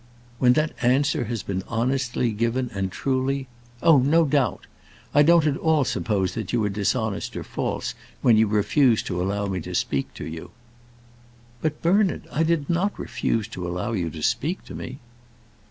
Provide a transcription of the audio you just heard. "When that answer has been given honestly and truly " "Oh, no doubt. I don't at all suppose that you were dishonest or false when you refused to allow me to speak to you." "But, Bernard, I did not refuse to allow you to speak to me."